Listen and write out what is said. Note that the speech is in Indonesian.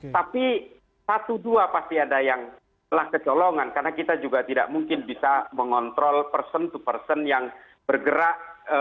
tapi satu dua pasti ada yang telah kecolongan karena kita juga tidak mungkin bisa mengontrol person to person yang bergerak